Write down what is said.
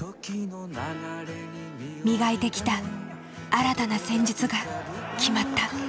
磨いてきた新たな戦術が決まった。